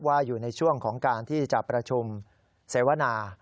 อยู่ในช่วงของการที่จะประชุมเสวนา